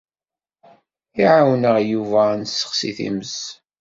Iɛawen-aɣ Yuba ad nessexsi times.